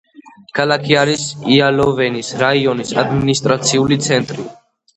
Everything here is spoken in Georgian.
ქალაქი არის იალოვენის რაიონის ადმინისტრაციული ცენტრი.